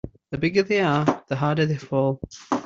The bigger they are the harder they fall.